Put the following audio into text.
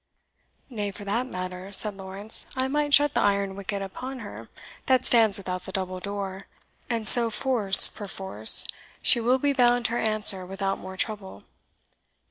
"Nay for that matter," said Lawrence, "I might shut the iron wicket upon her that stands without the double door, and so force per force she will be bound to her answer without more trouble."